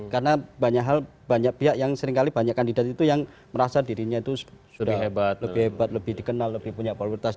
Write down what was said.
karena banyak hal banyak pihak yang seringkali banyak kandidat itu yang merasa dirinya itu sudah lebih hebat lebih dikenal lebih punya prioritas